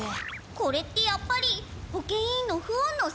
これってやっぱり保健委員の不運のせい？